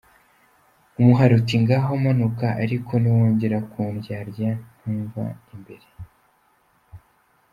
” Umuhali uti “Ngaho manuka, ariko niwongera kundyarya ntumva imbere.”